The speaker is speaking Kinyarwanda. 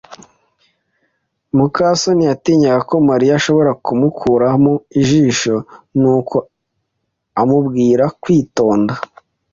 muka soni yatinyaga ko Mariya ashobora kumukuramo ijisho, nuko amubwira kwitonda.